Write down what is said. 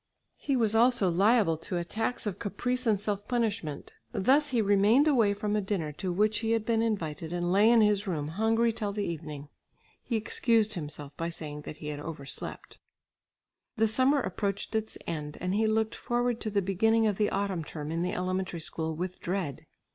He was also liable to attacks of caprice and self punishment. Thus he remained away from a dinner to which he had been invited and lay in his room hungry till the evening. He excused himself by saying that he had overslept. The summer approached its end and he looked forward to the beginning of the autumn term in the elementary school with dread.